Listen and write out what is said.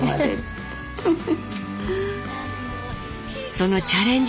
そのチャレンジ